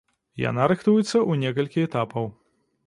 Яна рыхтуецца ў некалькі этапаў.